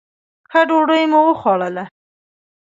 ښه ډوډۍ مو وخوړله.